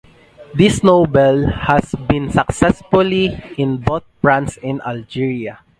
This novel has been successful in both France and Algeria.